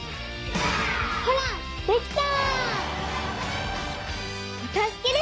ほらできた！